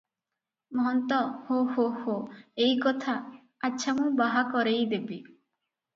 ମହନ୍ତ ହୋଃ ହୋଃ ହୋଃ- ଏଇ କଥା! ଆଚ୍ଛା ମୁଁ ବାହା କରେଇ ଦେବି ।